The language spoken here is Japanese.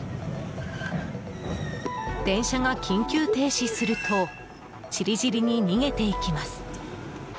電車が緊急停止すると散り散りに逃げていきます。